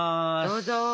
どうぞ。